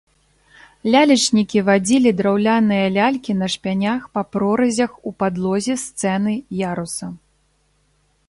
Лялечнікі вадзілі драўляныя лялькі на шпянях па проразях у падлозе сцэны-яруса.